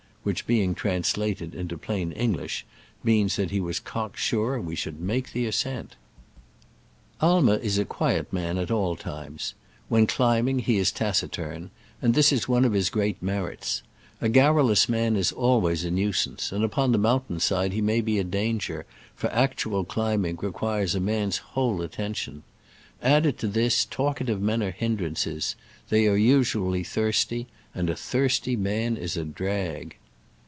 which, being translated into plain Eng lish, meant that he was cock sure we should make its ascent. Aimer is a quiet man at all times. Digitized by Google 140 SCRAMBLES AMONGST THE ALPS IN i86o '69. When climbing he is taciturn, and this is one of his great merits. A garrulous man is always a nuisance, and upon the mountain side he may be a danger, for actual climbing requires a man's whole attention. Added to this, talkative men are hindrances : they are usually thirsty, and a thirsty man is a drag.